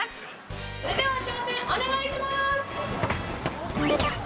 それでは挑戦お願いします。